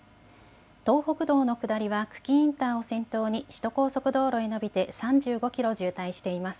東北道の下りは久喜インターを先頭に首都高速道路へ延びて３５キロ渋滞しています。